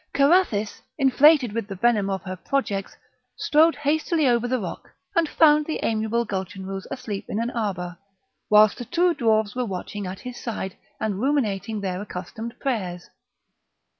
Carathis, inflated with the venom of her projects, strode hastily over the rock, and found the amiable Gulchenrouz asleep in an arbour, whilst the two dwarfs were watching at his side, and ruminating their accustomed prayers.